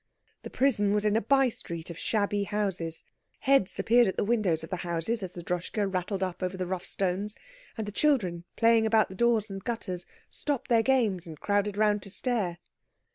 The prison was in a by street of shabby houses. Heads appeared at the windows of the houses as the Droschke rattled up over the rough stones, and the children playing about the doors and gutters stopped their games and crowded round to stare.